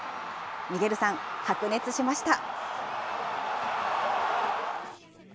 ミゲルさん、白熱しました。